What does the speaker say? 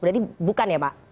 berarti bukan ya pak